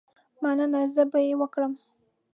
مننه، زه به یې وکړم.